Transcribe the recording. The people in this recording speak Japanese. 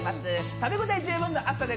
食べ応え十分の厚さ。